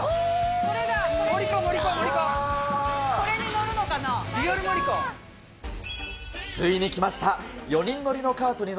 これに乗るのかな。